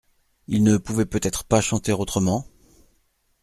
Il ne pouvait peut-être pas chanter autrement.